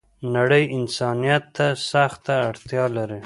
نړۍ انسانيت ته سخته اړتیا لری